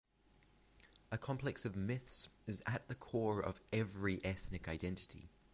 A complex of myths is at the core of every ethnic identity.